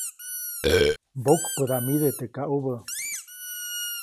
Mbokpäʼdamide teʼ kaʼubä.